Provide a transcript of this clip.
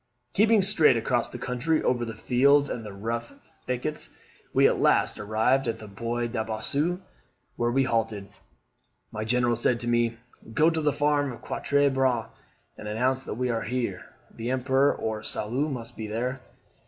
"Keeping straight across the country over fields and the rough thickets, we at last arrived at the Bois de Bossu, where we halted. My General said to me, 'Go to the farm of Quatre Bras and announce that we are here. The Emperor or Soult must be there.